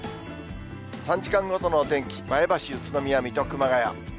３時間ごとのお天気、前橋、宇都宮、水戸、熊谷。